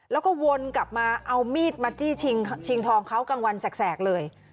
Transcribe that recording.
แล้วก็วนกลับมาเอามีดมาจี้ชิงทองเขากลางวันแสกเลย